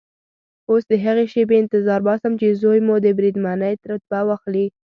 اوس د هغې شېبې انتظار باسم چې زوی مو د بریدمنۍ رتبه واخلي.